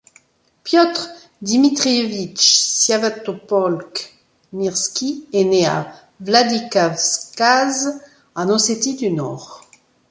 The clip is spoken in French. Piotr Dmitrievitch Sviatopolk-Mirski est né à Vladikavkaz en Ossétie-du-Nord.